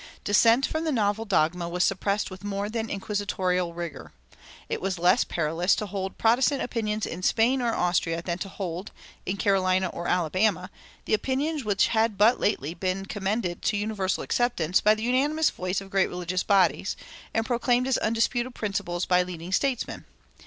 Dissent from the novel dogma was suppressed with more than inquisitorial rigor. It was less perilous to hold Protestant opinions in Spain or Austria than to hold, in Carolina or Alabama, the opinions which had but lately been commended to universal acceptance by the unanimous voice of great religious bodies, and proclaimed as undisputed principles by leading statesmen.